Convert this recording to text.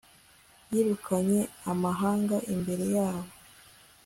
yirukanye amahanga imbere yabo